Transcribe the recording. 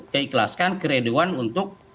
keikhlaskan kereduan untuk